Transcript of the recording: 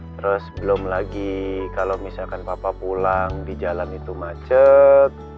terus belum lagi kalau misalkan papa pulang di jalan itu macet